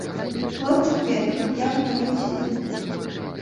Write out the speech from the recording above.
Хлопчык ведаў, як маліўся дзед.